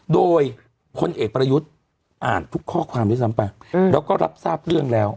โดยพลเอกประยุทธ์อ่านทุกข้อความด้วยซ้ำไปแล้วก็รับทราบเรื่องแล้ว